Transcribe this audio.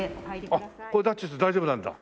あっこれでタッチして大丈夫なんだ。